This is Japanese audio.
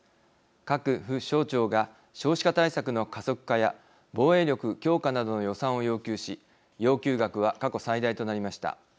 各府省庁が少子化対策の加速化や防衛力強化などの予算を要求し要求額は過去最大となりました。